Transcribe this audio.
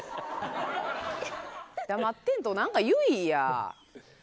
黙ってんと、何か言いや。